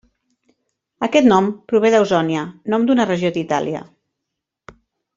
Aquest nom prové d'Ausònia, nom d'una regió d'Itàlia.